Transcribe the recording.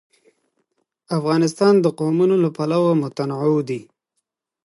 افغانستان د قومونه له پلوه متنوع دی.